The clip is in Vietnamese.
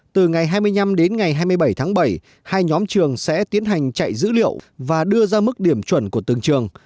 từ ngày hai mươi năm đến ngày hai mươi bảy tháng bảy hai nhóm trường sẽ tiến hành chạy dữ liệu và đưa ra mức điểm chuẩn của từng trường